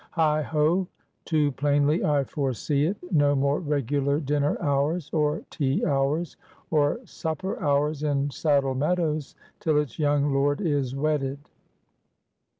Heigh ho! too plainly I foresee it no more regular dinner hours, or tea hours, or supper hours, in Saddle Meadows, till its young lord is wedded.